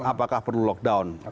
apakah perlu lockdown